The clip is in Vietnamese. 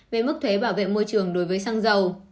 về mức thuế bảo vệ môi trường đối với xăng dầu